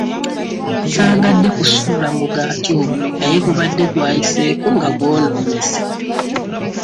Saagadde kusuula mugaati ogwo naye gubadde gwayiseeko nga gwonoonese.